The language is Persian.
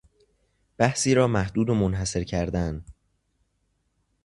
بحثی را محدود و منحصر کردن